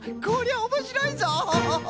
こりゃおもしろいぞ！